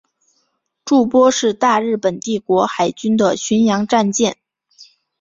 筑波是大日本帝国海军的巡洋战舰。